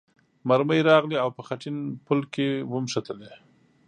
مرمۍ راغلې او په خټین پل کې ونښتلې.